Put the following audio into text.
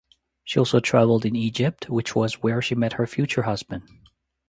She also traveled in Egypt which was where she met her future husband.